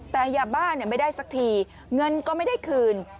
แต่ยาบ้าไม่ได้สักทีเงินก็ไม่ได้คืน